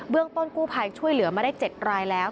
เบื้องต้นกู้ภัยช่วยเหลือไม่ได้๗รายแล้ว